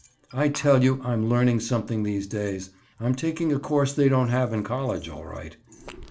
I tell you I'm learning something these days; I'm taking a course they don't have in college, all right."